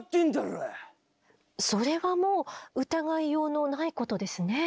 それはもう疑いようのないことですね。